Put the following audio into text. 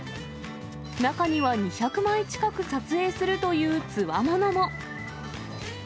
中には２００枚近く撮影するというつわものも。